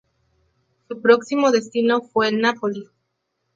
Su próximo destino fue el Napoli.